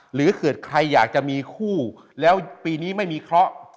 หรือเกิดใครอยากจะมีคู่แล้วปีนี้ไม่มีเคราะห์